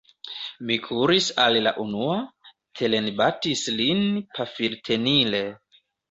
Mi kuris al la unua, terenbatis lin pafiltenile.